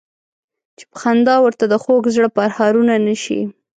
چې په خندا ورته د خوږ زړه پرهارونه نه شي.